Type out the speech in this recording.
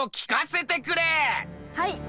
はい。